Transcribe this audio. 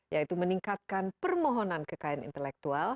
yaitu meningkatkan permohonan kekayaan intelektual